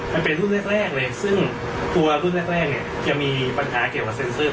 มันเป็นรูปแรกแรกเลยซึ่งตัวรูปแรกแรกเนี้ยจะมีปัญหาเกี่ยวกับ